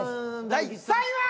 第３位は！？